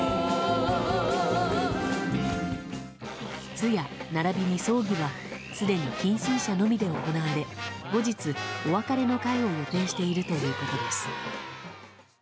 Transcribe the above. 通夜並びに葬儀はすでに近親者のみで行われ後日、お別れの会を予定しているということです。